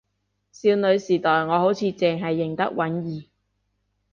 少女時代我好似淨係認得允兒